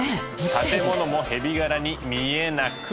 建物もヘビ柄に見えなくもない。